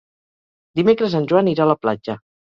Dimecres en Joan irà a la platja.